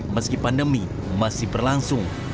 meski pandemi masih berlangsung